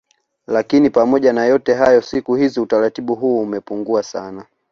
Lakini pamoja na yote hayo siku hizi utaratibu huu umepungua sana